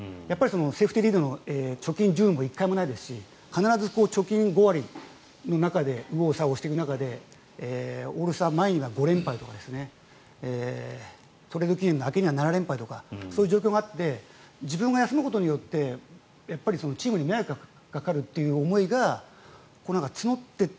セーフティーリードの貯金１０も１回もないですし必ず貯金５割の中で右往左往している中でオールスター前には５連敗とかトレード期限後には７連敗とかそういう状況があって自分が休むことによってチームに迷惑がかかるという思いが募っていった